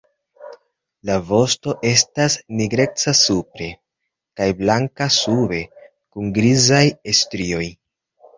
La vosto estas nigreca supre kaj blanka sube kun grizaj strioj.